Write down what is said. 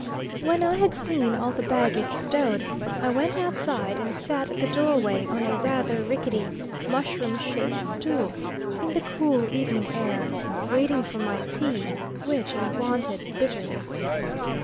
When I had seen all the baggage stowed I went outside and sat at the doorway on a rather rickety mushroom shaped stool in the cool evening air, waiting for my tea which I wanted bitterly.